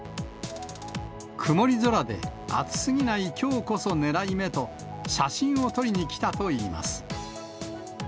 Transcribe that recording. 曇り空で暑すぎないきょうこそ狙い目と、写真を撮りに来たといいます。